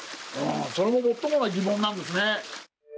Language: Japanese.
それももっともな疑問なんですね。